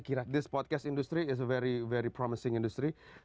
kira kira podcast ini adalah industri yang sangat berharga